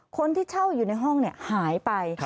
คนที่เช่าอยู่ในห้องหายไป